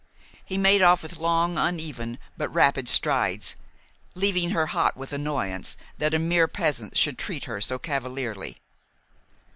He made off with long, uneven, but rapid strides, leaving her hot with annoyance that a mere peasant should treat her so cavalierly.